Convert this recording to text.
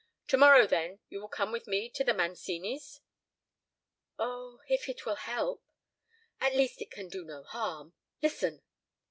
To morrow, then, you will come with me to the Mancini's?" "Oh—if it will help." "At least it can do no harm. Listen!"